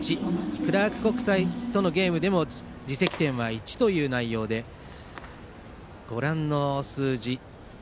クラーク国際とのゲームでも自責点は１という内容でご覧の数字です。